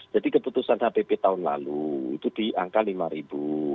jadi keputusan hpp tahun lalu itu di angka rp lima